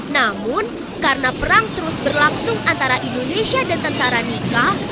namun karena perang terus berlangsung antara indonesia dan tentara nikah